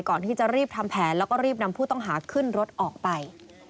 ก่อนที่จะรีบทำแผนแล้วก็รีบนำผู้ต้องหาขึ้นรถออกไป